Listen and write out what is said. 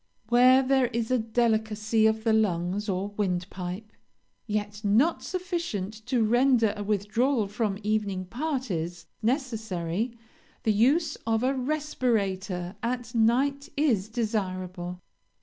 Where there is delicacy of the lungs or windpipe, yet not sufficient to render a withdrawal from evening parties necessary, the use of a respirator at night is desirable.